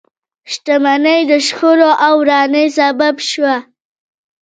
شتمنۍ د شخړو او ورانۍ سبب شوه.